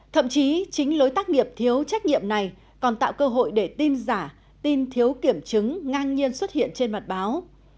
thậm chí chính lối tác nghiệp thiếu trách nhiệm này còn tạo cơ hội để tin giả tin thiếu kiểm chứng ngang nhiên xuất hiện trên mặt báo